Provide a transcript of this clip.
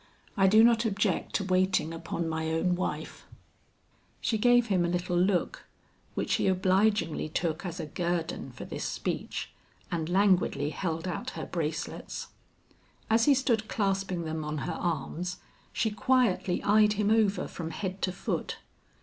I do not object to waiting upon my own wife." She gave him a little look which he obligingly took as a guerdon for this speech, and languidly held out her bracelets. As he stood clasping them on her arms, she quietly eyed him over from head to foot.